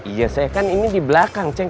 iya saya kan ini di belakang ceng